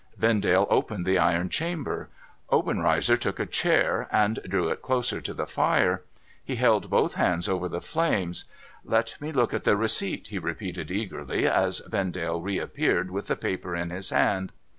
Vendale opened the iron chamber. Obenreizer took a chair, and drew it close to the fire. He held both hands over the flames. ' Let me look at the receipt,' he repeated, eagerly, as Vendale reappeared with the paper in his hand.